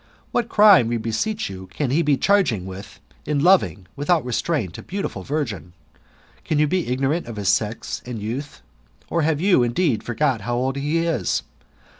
What crime, we beseech you, can he be charged with in loving, without restraint, a beautiful virgin? Can you be ignorant of his sex and youth? Or have you, GOLDEN ASS, OP APULEIUS. — BOO KV. 87 indeed, forgot how old he is?